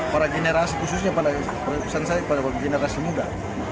para generasi khususnya pada generasi muda